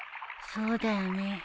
そうだよね。